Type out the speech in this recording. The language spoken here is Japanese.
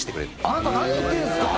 あなた何を言ってるんですか？